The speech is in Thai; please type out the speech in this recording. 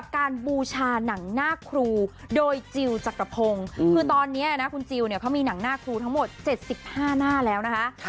บูชาหนังหน้าครูโดยจิลจักรพงศ์คือตอนนี้นะคุณจิลเนี่ยเขามีหนังหน้าครูทั้งหมด๗๕หน้าแล้วนะคะ